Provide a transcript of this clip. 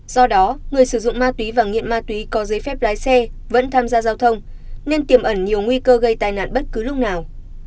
do đó người sử dụng ma túy và nghiện ma túy có giấy phép lái xe vẫn tham gia giao thông nên tiềm ẩn nhiều nguy cơ gây tai nạn bất cứ lúc nào